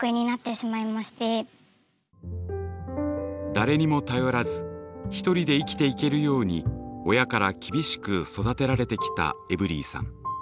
誰にも頼らず１人で生きていけるように親から厳しく育てられてきたエブリィさん。